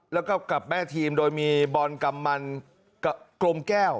แล้วก็กับแม่ทีมโดยมีบอลกำมันกลมแก้ว